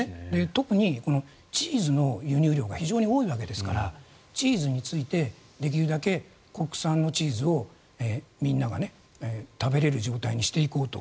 特にチーズの輸入量が非常に多いわけですからチーズについてできるだけ国産のチーズをみんなが食べれる状態にしていこうと。